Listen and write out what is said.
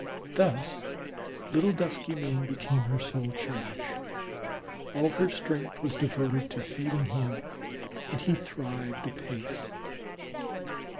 Thus little Duskymane became her sole charge; all her strength was devoted to feeding him, and he thrived apace.